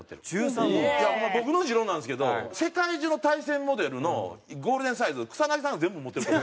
僕の持論なんですけど世界中の大戦モデルのゴールデンサイズ草さんが全部持ってると。